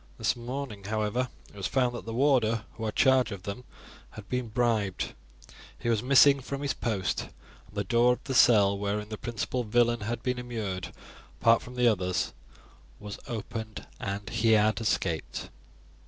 This morning, however, it was found that the warder who had charge of them had been bribed; he was missing from his post, and the door of the cell wherein the principal villain had been immured, apart from the others, was opened, and he had escaped."